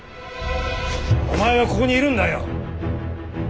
お前はここにいるんだよ。